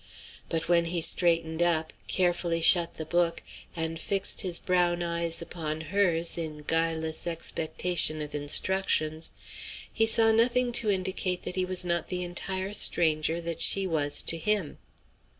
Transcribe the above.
But when he straightened up, carefully shut the book, and fixed his brown eyes upon hers in guileless expectation of instructions, he saw nothing to indicate that he was not the entire stranger that she was to him.